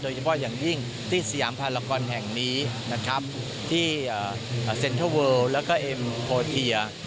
โดยเฉพาะอย่างยิ่งที่สยามภารกรแห่งนี้นะครับที่เซ็นเทอร์เวิลแล้วก็เอ็มโพเทีย